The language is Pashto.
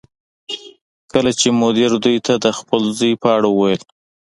کله چې مدیر دوی ته د خپل زوی په اړه وویل